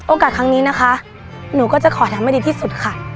โอกะครั้งนี้นะครับหนูก็จะขออะไรดีที่สุดค่ะ